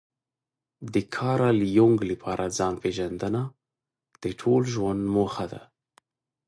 د کارل يونګ لپاره ځان پېژندنه د ټول ژوند موخه ده.